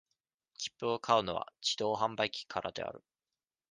切符を買うのは、自動販売機からである。